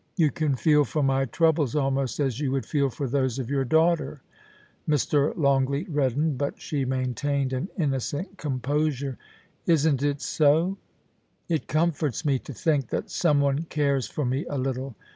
You can feel for my troubles almost as you would feel for those of your daughter' — Mr. Longleat reddened, but she maintained an innocent composure —* isn't it so ? It com forts me to think that some one cares for me a little.